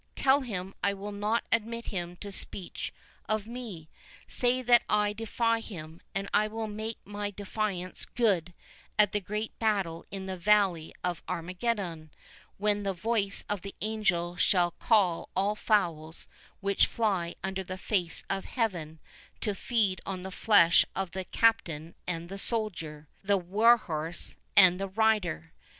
tell him I will not admit him to speech of me. Say that I defy him, and will make my defiance good at the great battle in the valley of Armageddon, when the voice of the angel shall call all fowls which fly under the face of heaven to feed on the flesh of the captain and the soldier, the warhorse and his rider.